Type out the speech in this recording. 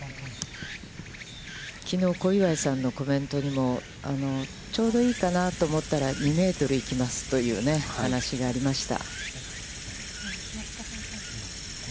きのう小祝さんのコメントにも、ちょうどいいかなと思ったら、２メートル行きますというね、話がありました。